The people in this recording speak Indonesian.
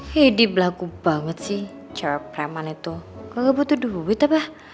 hedi blaku banget sih cewek preman itu gak butuh duit apa